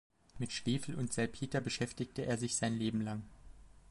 Mit Schwefel und Salpeter beschäftigte er sich sein Leben lang.